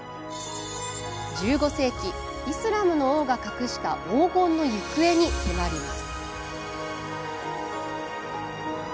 １５世紀、イスラムの王が隠した黄金の行方に迫ります。